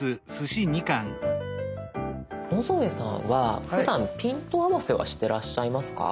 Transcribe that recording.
野添さんはふだんピント合わせはしてらっしゃいますか？